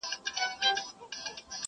نه له چا سره د مړي د غله غم وو،